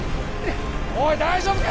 おい大丈夫か？